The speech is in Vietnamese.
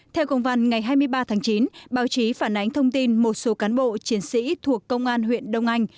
theo công văn ngày hai mươi ba tháng chín báo chí phản ánh thông tin một số cán bộ chiến sĩ thuộc công an huyện đông anh